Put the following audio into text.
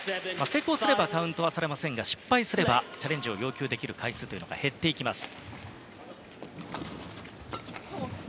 成功すればカウントされませんが失敗すればチャレンジを要求できる回数が減ってきます。